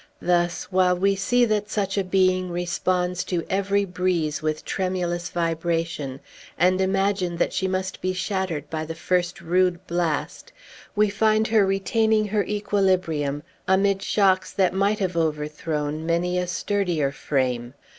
Thus, while we see that such a being responds to every breeze with tremulous vibration, and imagine that she must be shattered by the first rude blast, we find her retaining her equilibrium amid shocks that might have overthrown many a sturdier frame.